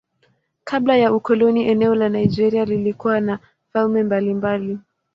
Kabla ya ukoloni eneo la Nigeria lilikuwa na falme mbalimbali.